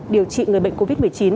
điều trị người bệnh covid một mươi chín